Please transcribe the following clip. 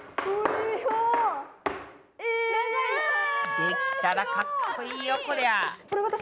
できたらかっこいいよこりゃ。